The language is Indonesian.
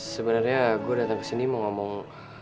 sebenernya gue dateng kesini mau ngomong